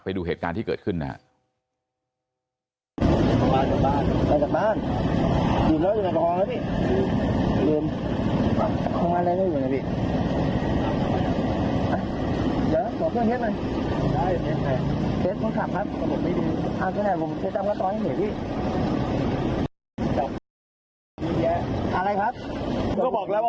ไปดูเหตุการณ์ที่เกิดขึ้นนะครับ